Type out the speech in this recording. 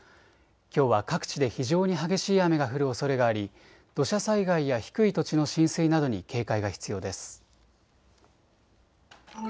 きょうは各地で非常に激しい雨が降るおそれがあり土砂災害や低い土地の浸水などに警戒が必要です。